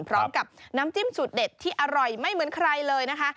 พร้อมกับน้ำจิ้มสูตรเด็ดที่อร่อยไม่เหมือนใครเลยนะคะ